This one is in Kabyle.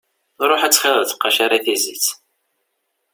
Ruḥ ad txiḍeḍ ttqacir i tizit.